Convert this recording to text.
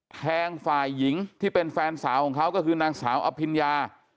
แทงฝ่ายหญิงที่เป็นแฟนสาวของเขาก็คือนางสาวอภิญญา